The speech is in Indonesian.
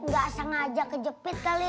gak sengaja kejepit kali